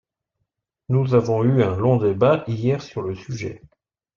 Nous avons eu un long débat hier sur le sujet.